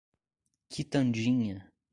Quitandinha